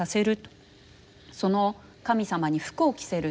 その神様に服を着せる。